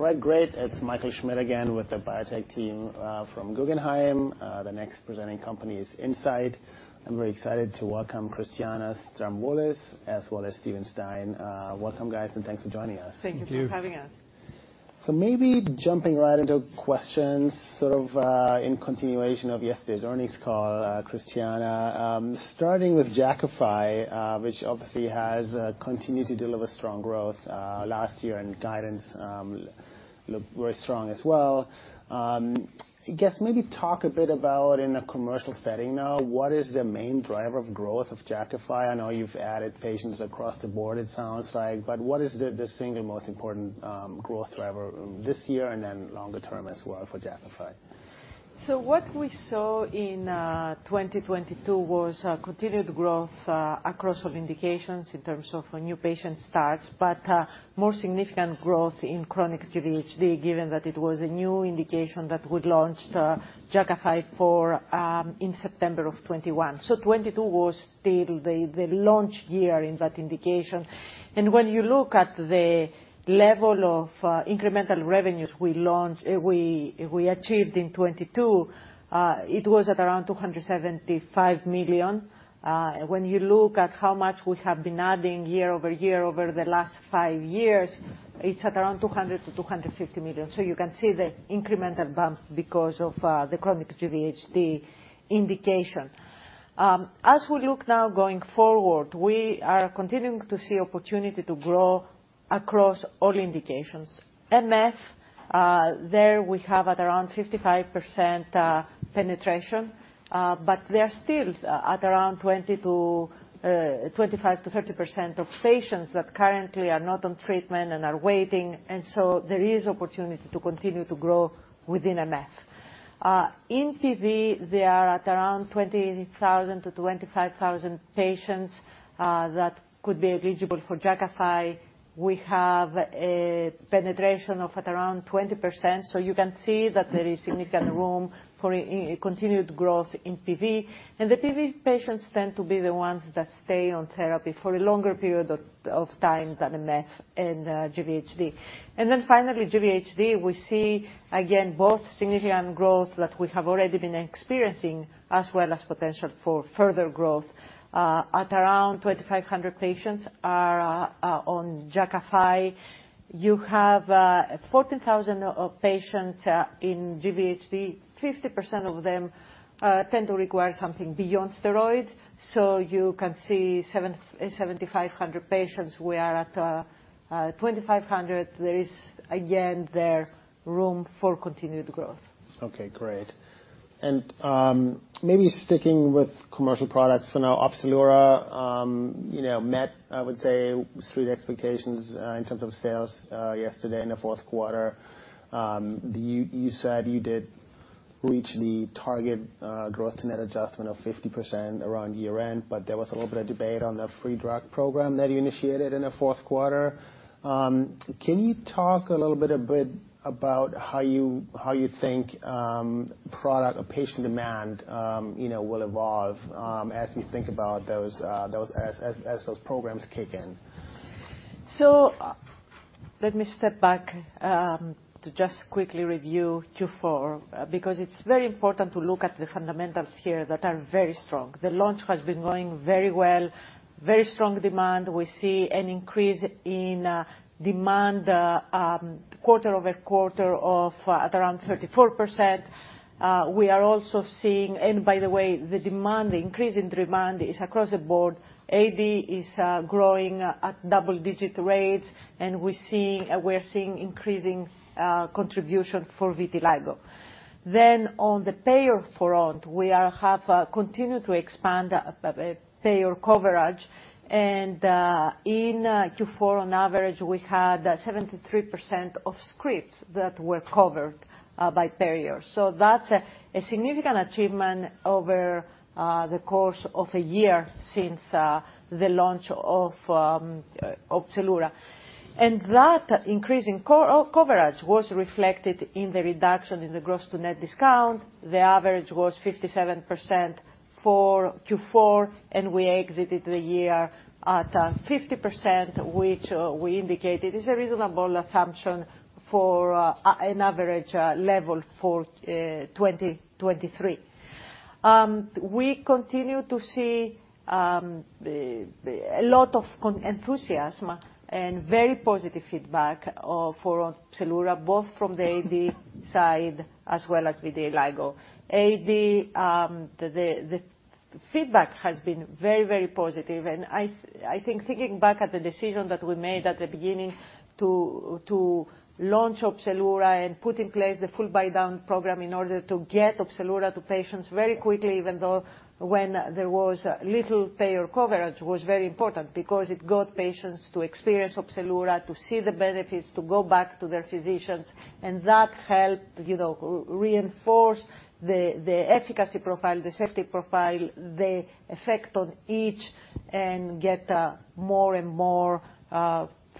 All right, great. It's Michael Schmidt again with the biotech team, from Guggenheim. The next presenting company is Incyte. I'm very excited to welcome Christiana Stamoulis as well as Steven Stein. Welcome guys, thanks for joining us. Thank you. Thank you for having us. Maybe jumping right into questions, sort of, in continuation of yesterday's earnings call, Christiana. Starting with Jakafi, which obviously has continued to deliver strong growth last year, and guidance looked very strong as well. I guess maybe talk a bit about in a commercial setting now, what is the main driver of growth of Jakafi? I know you've added patients across the board, it sounds like, but what is the single most important growth driver this year and then longer term as well for Jakafi? What we saw in 2022 was continued growth across some indications in terms of new patient starts, but more significant growth in chronic GVHD, given that it was a new indication that we launched Jakafi for in September of 2021. 2022 was still the launch year in that indication. When you look at the level of incremental revenues we achieved in 2022, it was at around $275 million. When you look at how much we have been adding year-over-year over the last five years, it's at around $200 million-$250 million. You can see the incremental bump because of the chronic GVHD indication. As we look now going forward, we are continuing to see opportunity to grow across all indications. MF, there we have at around 55% penetration, but there are still at around 25%-30% of patients that currently are not on treatment and are waiting. There is opportunity to continue to grow within MF. In PV, they are at around 20,000-25,000 patients that could be eligible for Jakafi. We have a penetration of at around 20%, so you can see that there is significant room for a continued growth in PV. The PV patients tend to be the ones that stay on therapy for a longer period of time than MF and GVHD. Finally, GVHD, we see again, both significant growth that we have already been experiencing, as well as potential for further growth, at around 2,500 patients are on Jakafi. You have 14,000 of patients in GVHD. 50% of them tend to require something beyond steroids, so you can see 7,500 patients. We are at 2,500. There is again there room for continued growth. Okay, great. Maybe sticking with commercial products for now. OPZELURA, you know, met, I would say, street expectations, in terms of sales, yesterday in the fourth quarter. You said you did reach the target, growth to net adjustment of 50% around year-end, but there was a little bit of debate on the free drug program that you initiated in the fourth quarter. Can you talk a little bit about how you think product or patient demand, you know, will evolve, as we think about those as those programs kick in? Let me step back to just quickly review Q4, because it's very important to look at the fundamentals here that are very strong. The launch has been going very well, very strong demand. We see an increase in demand quarter-over-quarter of at around 34%. We are also seeing, and by the way, the demand, the increase in demand is across the board. AD is growing at double-digit rates, and we're seeing increasing contribution for vitiligo. On the payer front, we have continued to expand payer coverage. In Q4 on average, we had 73% of scripts that were covered by payers. That's a significant achievement over the course of a year since the launch of OPZELURA. That increase in coverage was reflected in the reduction in the gross to net discount. The average was 57% for Q4, and we exited the year at 50%, which we indicated is a reasonable assumption for an average level for 2023. We continue to see a lot of enthusiasm and very positive feedback for OPZELURA, both from the AD side as well as vitiligo. AD, the feedback has been very, very positive and I think thinking back at the decision that we made at the beginning to launch OPZELURA and put in place the full buy-down program in order to get OPZELURA to patients very quickly, even though when there was little payer coverage, was very important because it got patients to experience OPZELURA, to see the benefits, to go back to their physicians, and that helped, you know, reinforce the efficacy profile, the safety profile, the effect on each, and get more and more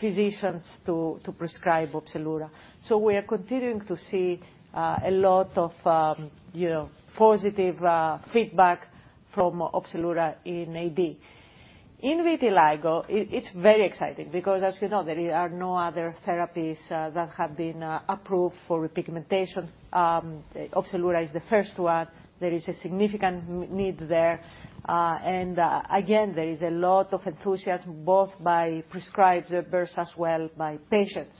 physicians to prescribe OPZELURA. We are continuing to see a lot of, you know, positive feedback from OPZELURA in AD. In vitiligo, it's very exciting because, as you know, there are no other therapies that have been approved for repigmentation. OPZELURA is the first one. There is a significant need there. Again, there is a lot of enthusiasm both by prescribers versus well by patients.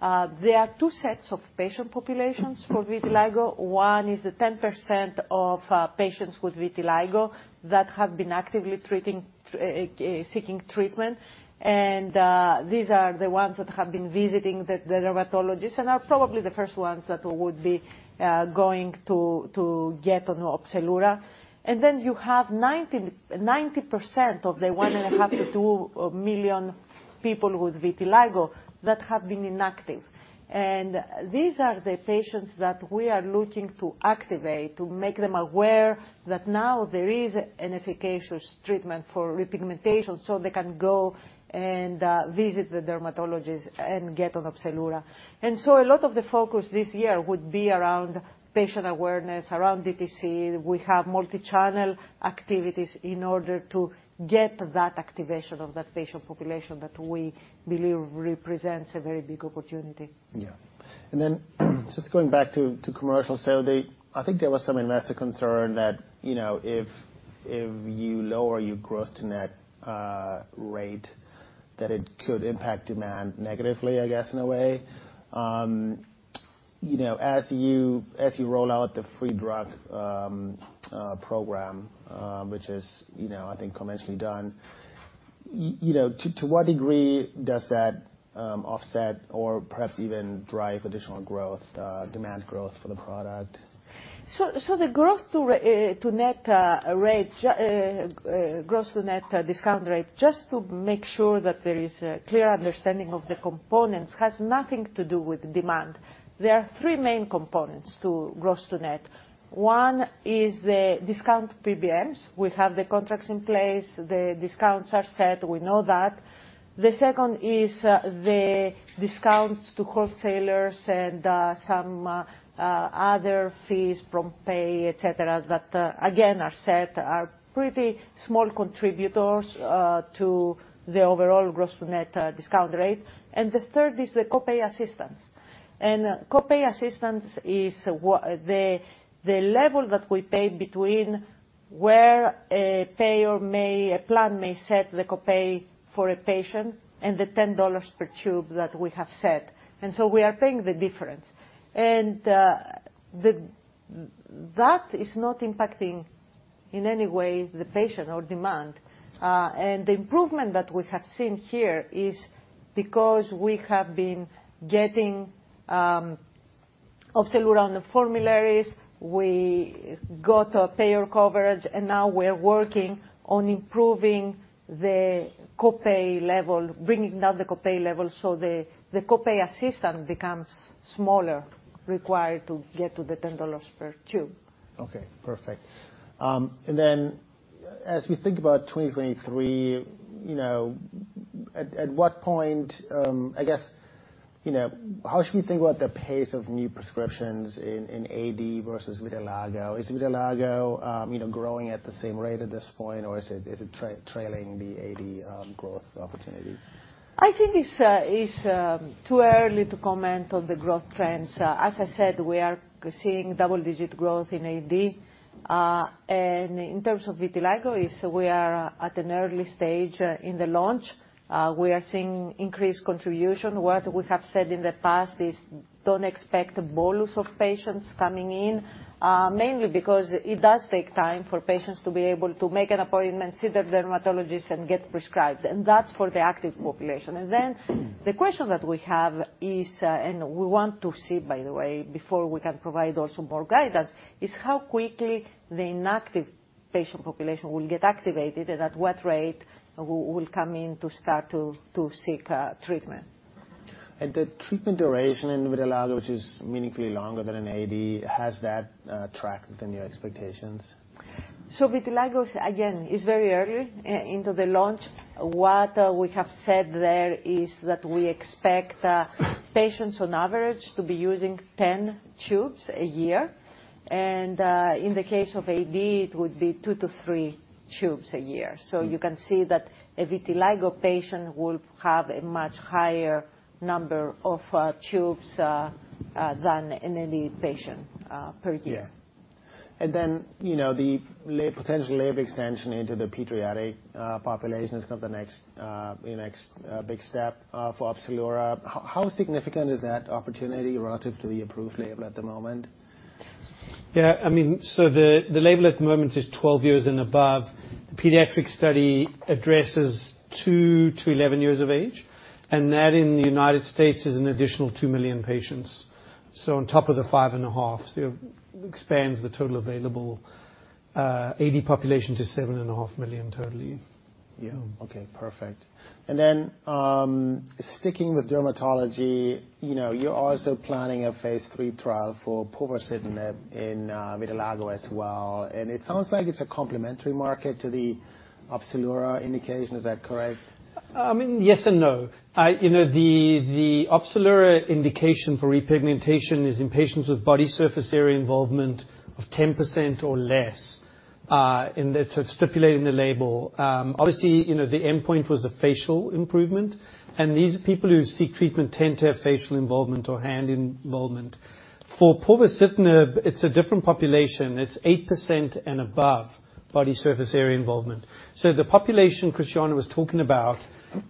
There are two sets of patient populations for vitiligo. One is the 10% of patients with vitiligo that have been actively treating, seeking treatment, and these are the ones that have been visiting the dermatologist and are probably the first ones that would be going to get on OPZELURA. Then you have 90% of the 1.5 million-2 million people with vitiligo that have been inactive. These are the patients that we are looking to activate, to make them aware that now there is an efficacious treatment for repigmentation so they can go and visit the dermatologist and get on OPZELURA. A lot of the focus this year would be around patient awareness, around DTC. We have multi-channel activities in order to get that activation of that patient population that we believe represents a very big opportunity. Yeah. Just going back to commercial sale, the... I think there was some investor concern that, you know, if you lower your gross to net rate, that it could impact demand negatively, I guess, in a way. You know, as you, as you roll out the free drug program, which is, you know, I think commercially done, you know, to what degree does that offset or perhaps even drive additional growth, demand growth for the product? The growth to net rate, gross to net discount rate, just to make sure that there is a clear understanding of the components, has nothing to do with demand. There are three main components to gross to net. One is the discount PBMs. We have the contracts in place. The discounts are set. We know that. The second is the discounts to wholesalers and some other fees from pay, et cetera, that again, are set, are pretty small contributors to the overall gross to net discount rate. The third is the co-pay assistance. Co-pay assistance is the level that we pay between where a payer may, a plan may set the co-pay for a patient and the $10 per tube that we have set. We are paying the difference. That is not impacting in any way the patient or demand. The improvement that we have seen here is because we have been getting OPZELURA on the formularies, we got a payer coverage, and now we're working on improving the co-pay level, bringing down the co-pay level so the co-pay assistance becomes smaller, required to get to the $10 per tube. Okay, perfect. As we think about 2023, you know, at what point, I guess, you know, how should we think about the pace of new prescriptions in AD versus vitiligo? Is vitiligo, you know, growing at the same rate at this point, or is it, is it trailing the AD, growth opportunity? I think it's too early to comment on the growth trends. As I said, we are seeing double-digit growth in AD. In terms of vitiligo, is we are at an early stage in the launch. We are seeing increased contribution. What we have said in the past is don't expect bolus of patients coming in, mainly because it does take time for patients to be able to make an appointment, see the dermatologist, and get prescribed. That's for the active population. The question that we have is, and we want to see, by the way, before we can provide also more guidance, is how quickly the inactive patient population will get activated and at what rate will come in to start to seek treatment. The treatment duration in vitiligo, which is meaningfully longer than in AD, has that tracked with your expectations? Vitiligo, again, is very early into the launch. What we have said there is that we expect patients on average to be using 10 tubes a year. In the case of AD, it would be two to three tubes a year. You can see that a vitiligo patient will have a much higher number of tubes than an AD patient per year. Yeah. You know, the potential label extension into the pediatric population is kind of the next big step for OPZELURA. How significant is that opportunity relative to the approved label at the moment? I mean, the label at the moment is 12 years and above. Pediatric study addresses two to 11 years of age, and that in the United States is an additional 2 million patients. On top of the 5.5 million, it expands the total available AD population to 7.5 million total. Yeah. Okay, perfect. Sticking with dermatology, you know, you're also planning a phase III trial for povorcitinib in vitiligo as well. It sounds like it's a complementary market to the OPZELURA indication. Is that correct? Yes and no. You know, the OPZELURA indication for repigmentation is in patients with body surface area involvement of 10% or less. It's stipulating the label. You know, the endpoint was a facial improvement. These people who seek treatment tend to have facial involvement or hand involvement. For povorcitinib, it's a different population. It's 8% and above body surface area involvement. The population Christiana was talking about,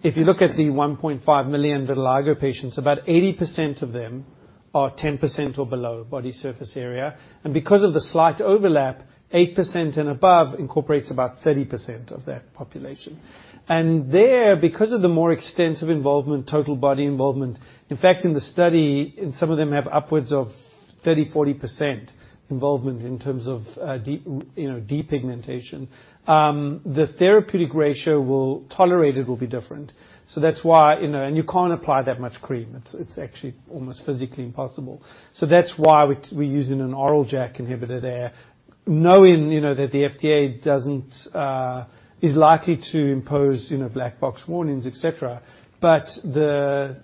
if you look at the 1.5 million vitiligo patients, about 80% of them are 10% or below body surface area. Because of the slight overlap, 8% and above incorporates about 30% of that population. There, because of the more extensive involvement, total body involvement, in fact, in the study, and some of them have upwards of 30%, 40% involvement in terms of, you know, depigmentation. The therapeutic ratio will tolerate it will be different. That's why, you know, and you can't apply that much cream. It's actually almost physically impossible. That's why we're using an oral JAK inhibitor there. Knowing, you know, that the FDA doesn't, is likely to impose, you know, black box warnings, et cetera. The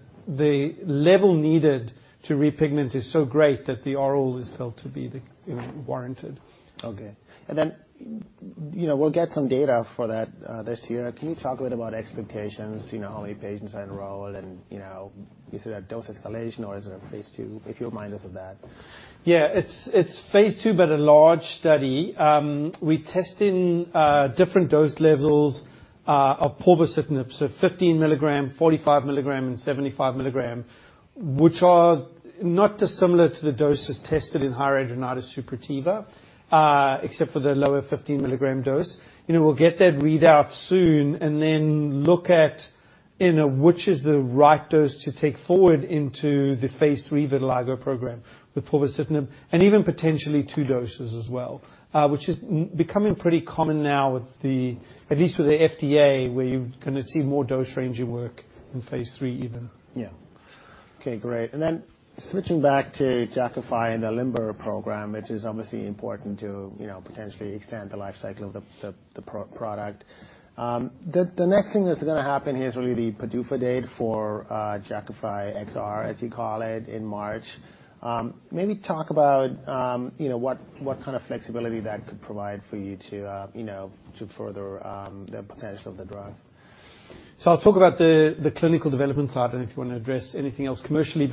level needed to repigment is so great that the oral is felt to be the, you know, warranted. Okay. You know, we'll get some data for that this year. Can you talk a bit about expectations, you know, how many patients are enrolled and, you know, is it a dose escalation or is it a phase II? If you would mind us of that? Yeah, it's phase II, but a large study. We're testing different dose levels of povorcitinib. 15 mg, 45 mg, and 75 mg, which are not dissimilar to the doses tested in hidradenitis suppurativa, except for the lower 15 mg dose. You know, we'll get that readout soon and then look at, you know, which is the right dose to take forward into the phase III vitiligo program with povorcitinib. Even potentially two doses as well, which is becoming pretty common now with the, at least with the FDA, where you kinda see more dose ranging work in phase III even. Yeah. Okay, great. Switching back to Jakafi and the LIMBER program, which is obviously important to, you know, potentially extend the life cycle of the product. The next thing that's gonna happen here is really the PDUFA date for Jakafi XR, as you call it, in March. Maybe talk about, you know, what kind of flexibility that could provide for you to, you know, to further the potential of the drug? I'll talk about the clinical development side, and if you wanna address anything else commercially.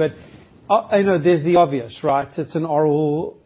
I know there's the obvious, right? It's an oral,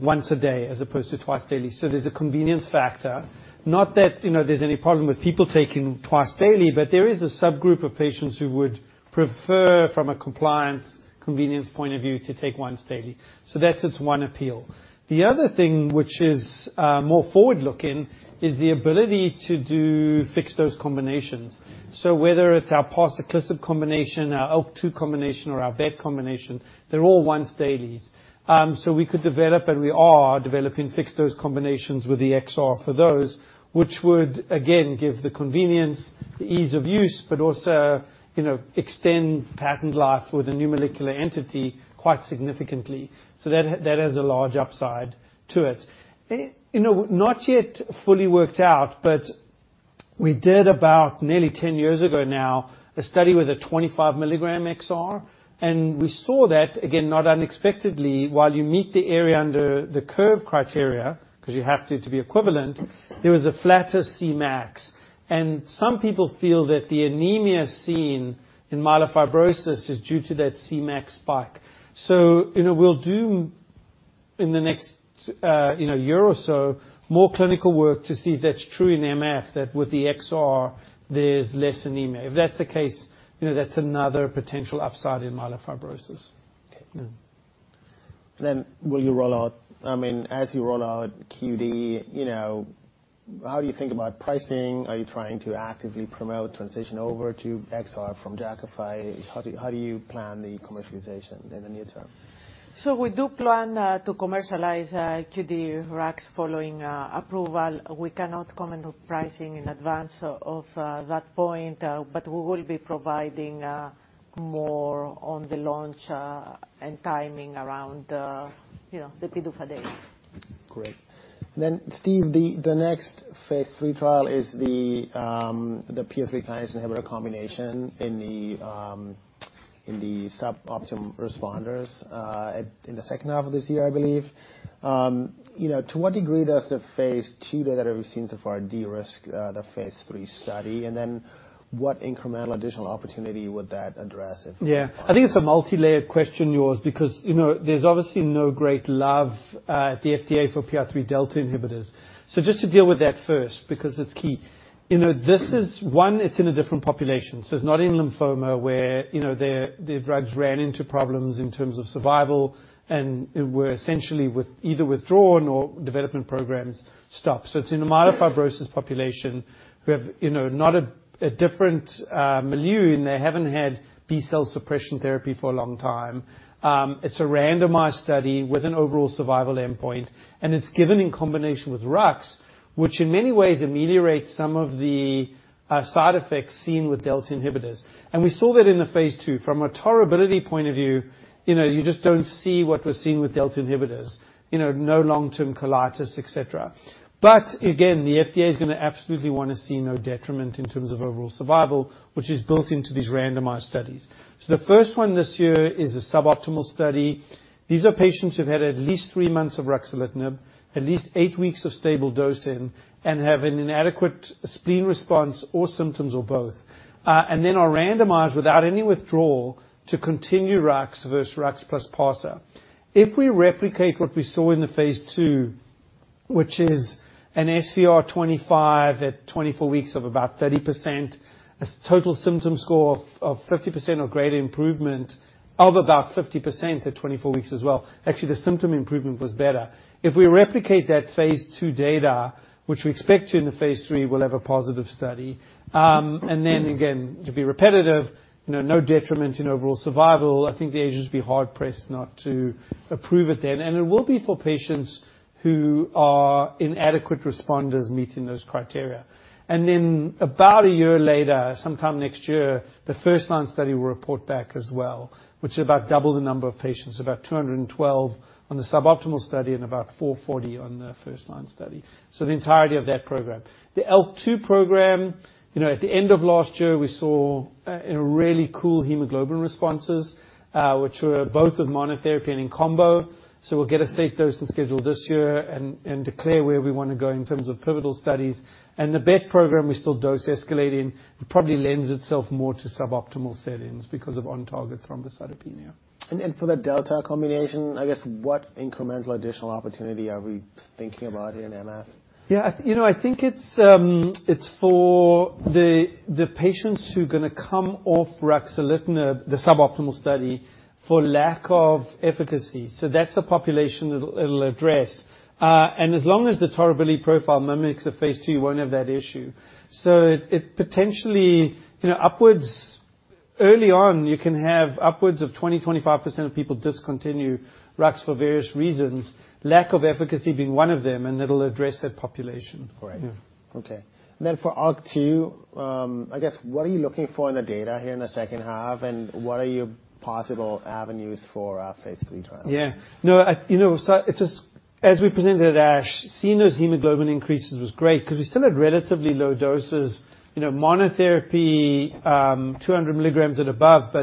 once a day as opposed to twice daily. There's a convenience factor. Not that, you know, there's any problem with people taking twice daily, but there is a subgroup of patients who would prefer from a compliance convenience point of view to take once daily. That's its one appeal. The other thing which is more forward-looking is the ability to do fixed-dose combinations. Whether it's our parsaclisib combination, our ALK2 combination, or our BET combination, they're all once dailies. We could develop, and we are developing fixed-dose combinations with the XR for those, which would again give the convenience, the ease of use, but also, you know, extend patent life with a new molecular entity quite significantly. That, that has a large upside to it. You know, not yet fully worked out, but we did about nearly 10 years ago now a study with a 25 mg XR, and we saw that, again, not unexpectedly, while you meet the area under the curve criteria, 'cause you have to be equivalent, there was a flatter Cmax. Some people feel that the anemia seen in myelofibrosis is due to that Cmax spike. You know, we'll do in the next, you know, year or so more clinical work to see if that's true in MF, that with the XR there's less anemia. If that's the case, you know, that's another potential upside in myelofibrosis. Okay. Yeah. I mean, as you roll out QD, you know, how do you think about pricing? Are you trying to actively promote transition over to XR from Jakafi? How do you plan the commercialization in the near-term? We do plan to commercialize QD rux following approval. We cannot comment on pricing in advance of that point, but we will be providing more on the launch and timing around, you know, the PDUFA date. Great. Steve, the next phase III trial is the PI3 kinase inhibitor combination in the suboptimum responders in the second half of this year, I believe. You know, to what degree does the phase II data that we've seen so far de-risk the phase III study? What incremental additional opportunity would that address? Yeah. I think it's a multi-layered question, yours, because, you know, there's obviously no great love at the FDA for PI3 delta inhibitors. Just to deal with that first because it's key. You know, this is, one, it's in a different population. It's not in lymphoma where, you know, their, the drugs ran into problems in terms of survival and were essentially with either withdrawn or development programs stopped. It's in a myelofibrosis population who have, you know, not a different milieu, and they haven't had B cell suppression therapy for a long time. It's a randomized study with an overall survival endpoint, and it's given in combination with rux, which in many ways ameliorates some of the side effects seen with delta inhibitors. We saw that in the phase II. From a tolerability point of view, you know, you just don't see what we're seeing with delta inhibitors. You know, no long-term colitis, et cetera. Again, the FDA is gonna absolutely wanna see no detriment in terms of overall survival, which is built into these randomized studies. The first one this year is a suboptimal study. These are patients who've had at least three months of ruxolitinib, at least eight weeks of stable dosim, and have an inadequate spleen response or symptoms or both. Then are randomized without any withdrawal to continue rux versus rux plus parsaclisib. If we replicate what we saw in the phase II, which is an SVR25 at 24 weeks of about 30%. A total symptom score of 50% or greater improvement of about 50% at 24 weeks as well. Actually, the symptom improvement was better. If we replicate that phase II data, which we expect to in the phase III, we'll have a positive study. Then again, to be repetitive, you know, no detriment in overall survival. I think the agencies would be hard pressed not to approve it then. It will be for patients who are inadequate responders meeting those criteria. Then about a year later, sometime next year, the first-line study will report back as well, which is about double the number of patients. About 212 on the suboptimal study, and about 440 on the first-line study. The entirety of that program. The ALK2 program, you know, at the end of last year, we saw, you know, really cool hemoglobin responses, which were both with monotherapy and in combo. We'll get a safe dosing schedule this year and declare where we wanna go in terms of pivotal studies. The BET program we're still dose escalating. It probably lends itself more to suboptimal settings because of on-target thrombocytopenia. For the delta combination, I guess what incremental additional opportunity are we thinking about here in MF? Yeah. You know, I think it's for the patients who're gonna come off ruxolitinib, the suboptimal study, for lack of efficacy. That's the population it'll address. As long as the tolerability profile mimics the phase II, you won't have that issue. It, it potentially, you know, Early on, you can have upwards of 20%-25% of people discontinue rux for various reasons, lack of efficacy being one of them, and it'll address that population. Correct. Yeah. Okay. For ALK2, I guess what are you looking for in the data here in the second half, and what are your possible avenues for a phase III trial? Yeah. No, I, you know, it's just as we presented at ASH, seeing those hemoglobin increases was great 'cause we still had relatively low doses. You know, monotherapy, 200 mgs and above.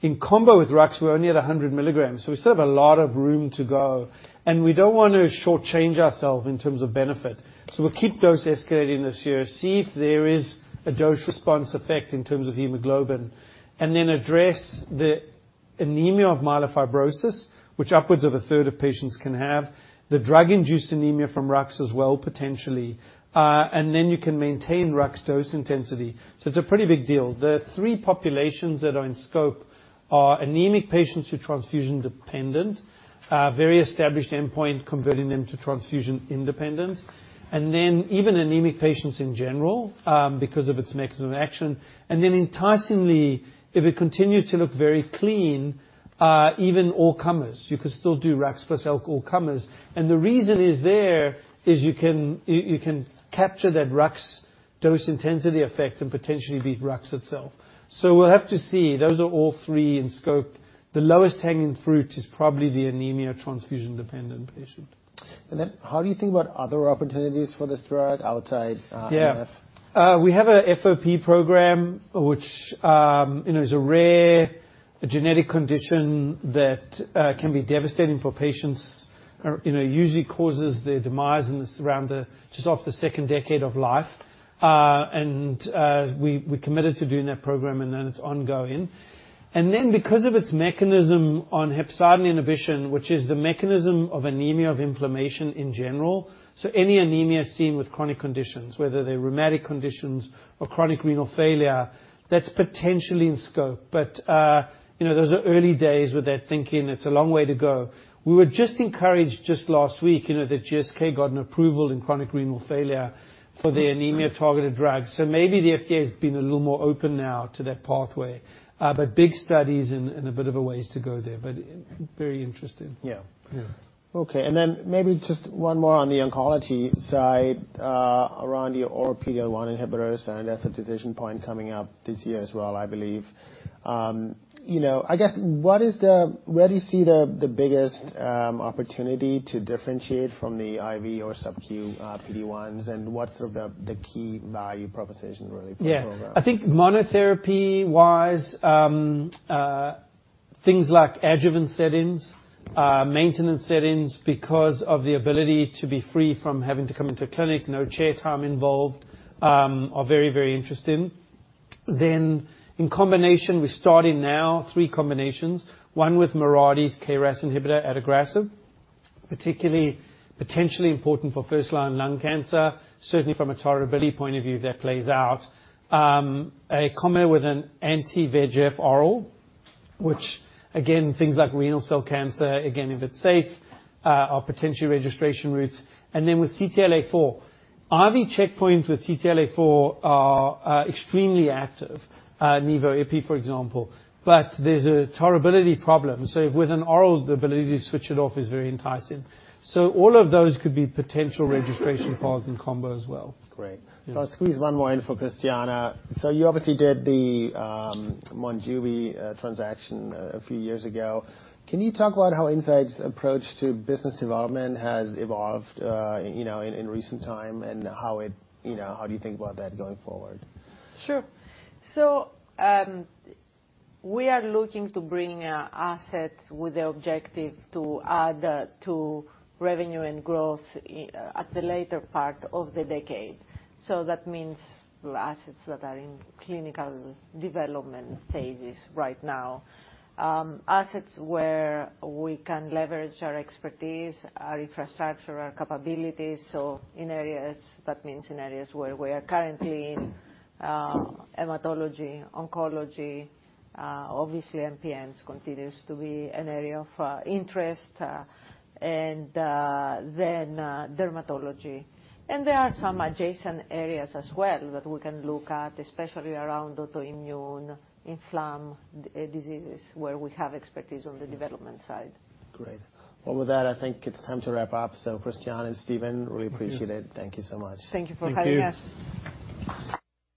In combo with rux, we're only at 100 mgs, so we still have a lot of room to go. We don't want to shortchange ourselves in terms of benefit. We'll keep dose escalating this year, see if there is a dose response effect in terms of hemoglobin, and then address the anemia of myelofibrosis, which upwards of 1/3 of patients can have. The drug-induced anemia from rux as well, potentially. You can maintain rux dose intensity. It's a pretty big deal. The three populations that are in scope are anemic patients who're transfusion dependent, very established endpoint, converting them to transfusion independence. Even anemic patients in general, because of its mechanism action. Enticingly, if it continues to look very clean, even all comers. You could still do rux plus ALK2 all comers. The reason is there is you can capture that rux dose intensity effect and potentially beat rux itself. We'll have to see. Those are all three in scope. The lowest hanging fruit is probably the anemia transfusion dependent patient. How do you think about other opportunities for this drug outside, MF? Yeah. We have a FOP program, which, you know, is a rare genetic condition that can be devastating for patients. Or, you know, usually causes their demise in the, around the, just off the second decade of life. We committed to doing that program, it's ongoing. Because of its mechanism on hepcidin inhibition, which is the mechanism of anemia, of inflammation in general. Any anemia seen with chronic conditions, whether they're rheumatic conditions or chronic renal failure, that's potentially in scope. You know, those are early days with that thinking. It's a long way to go. We were just encouraged just last week, you know, that GSK got an approval in chronic renal failure for the anemia targeted drug. Maybe the FDA has been a little more open now to that pathway. Big studies and a bit of a ways to go there. But very interesting. Yeah. Yeah. Okay. Maybe just one more on the oncology side, around your oral PD-L1 inhibitors. I know that's a decision point coming up this year as well, I believe. You know, I guess where do you see the biggest opportunity to differentiate from the IV or SubQ PD-1s, and what's sort of the key value proposition really for the program? Yeah. I think monotherapy-wise, things like adjuvant settings, maintenance settings because of the ability to be free from having to come into clinic, no chair time involved, are very, very interesting. In combination, we're starting now three combinations. One with Mirati's KRAS inhibitor, adagrasib, particularly potentially important for first-line lung cancer. Certainly from a tolerability point of view, that plays out. A combo with an anti-VEGF oral, which again, things like renal cell cancer, again, if it's safe, are potentially registration routes. With CTLA-4. IV checkpoint with CTLA-4 are extremely active, nivo/ipi, for example. There's a tolerability problem. With an oral, the ability to switch it off is very enticing. All of those could be potential registration paths in combo as well. Great. Yeah. I'll squeeze one more in for Christiana. You obviously did the MONJUVI transaction a few years ago. Can you talk about how Incyte's approach to business development has evolved, you know, in recent time, and how it, you know, how do you think about that going forward? Sure. We are looking to bring assets with the objective to add to revenue and growth at the later part of the decade. That means assets that are in clinical development phases right now. Assets where we can leverage our expertise, our infrastructure, our capabilities. In areas, that means in areas where we are currently in, hematology, oncology, obviously MPNs continues to be an area of interest. Then dermatology. There are some adjacent areas as well that we can look at, especially around autoimmune, inflam diseases where we have expertise on the development side. Great. Well, with that, I think it's time to wrap up. Christiana and Steven, really appreciate it. Thank you so much. Thank you for having us. Thank you.